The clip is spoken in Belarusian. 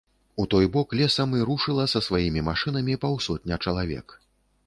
У той бок лесам і рушыла са сваімі машынамі паўсотня чалавек.